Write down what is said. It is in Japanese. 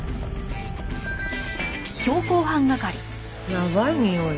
やばいにおい？